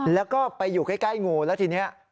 แล้วก็ไปอยู่ใกล้งูแล้วทีนี้